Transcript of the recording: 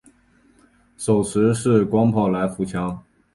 手持式光炮来福枪。